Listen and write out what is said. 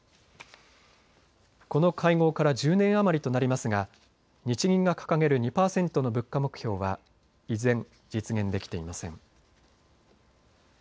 この会合から１０年余りとなりますが日銀が掲げる２％の物価目標は依然、実現できていません。